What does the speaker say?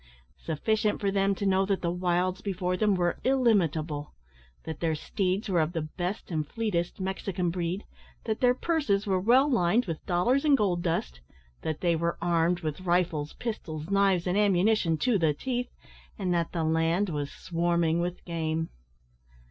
Sufficient for them to know that the wilds before them were illimitable; that their steeds were of the best and fleetest Mexican breed; that their purses were well lined with dollars and gold dust; that they were armed with rifles, pistols, knives, and ammunition, to the teeth; and that the land was swarming with game.